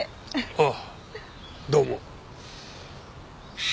ああどうも。